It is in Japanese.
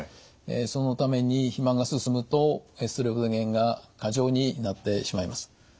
そのために肥満が進むとエストロゲンが過剰になってしまいます。